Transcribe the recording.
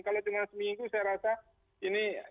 kalau cuma seminggu saya rasa ini